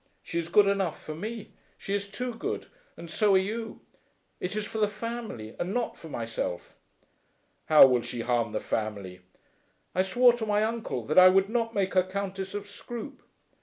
She is good enough for me. She is too good; and so are you. It is for the family, and not for myself." "How will she harm the family?" "I swore to my uncle that I would not make her Countess of Scroope."